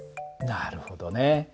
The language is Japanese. なるほどね。